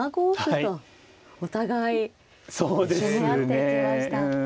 お互い攻め合っていきました。